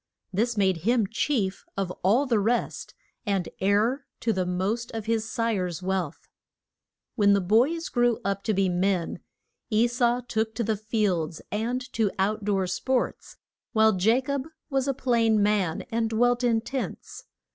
This made him chief of all the rest, and heir to the most of his sire's wealth. When the boys grew up to be men, E sau took to the fields and to out door sports, while Ja cob was a plain man and dwelt in tents.